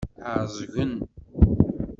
Ɛeẓgen?